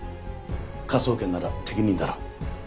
科捜研なら適任だろ。